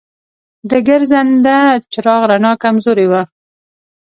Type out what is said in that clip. د ګرځنده چراغ رڼا کمزورې وه.